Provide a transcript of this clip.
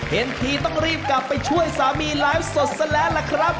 เห็นทีต้องรีบกลับไปช่วยสามีไลฟ์สดซะแล้วล่ะครับ